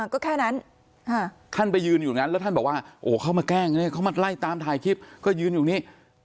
ก็แค่นั้นท่านไปยืนอยู่นั้นแล้วท่านบอกว่าเข้ามาแกล้งเข้ามาไล่ตามถ่ายคลิปก็ยืนอยู่นี้